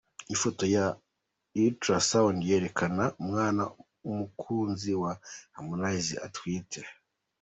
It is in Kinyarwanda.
Ifoto ya Ultrasound yerekana umwana umukunzi wa Harmonize atwite.